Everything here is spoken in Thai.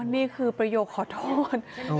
นี่คือประโยคขอโทษ